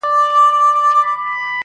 موږ دا نن لا خروښېدلو -